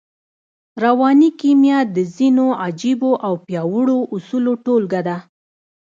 رواني کيميا د ځينو عجييو او پياوړو اصولو ټولګه ده.